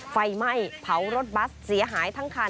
ไฟไหม้เผารถบัสเสียหายทั้งคัน